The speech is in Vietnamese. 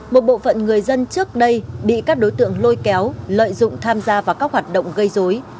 một bộ phận người dân trước đây bị các đối tượng lôi kéo lợi dụng tham gia vào các hoạt động gây dối